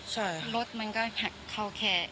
ใช่รถมันก็เขาแค่